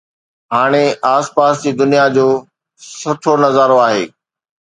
هاڻي آس پاس جي دنيا جو سٺو نظارو آهي